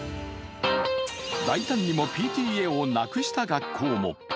大胆にもＰＴＡをなくした学校も。